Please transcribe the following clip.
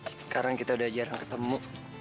sekarang kita udah jarang ketemu